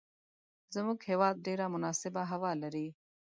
زموږ هیواد ډیره مناسبه هوا لری